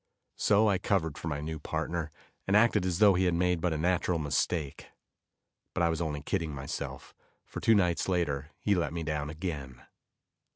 So I covered for my new partner, and acted as though he had made but a natural mistake. But I was only kidding myself, for two nights later, he let me down again.